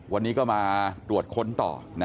วันนี้ก็มาตรวจค้นต่อ